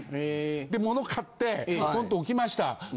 で物買ってポンと置きました。